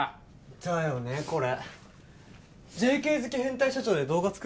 だよねこれＪＫ好き変態社長で動画作る？